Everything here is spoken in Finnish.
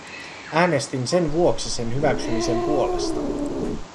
Äänestin sen vuoksi sen hyväksymisen puolesta.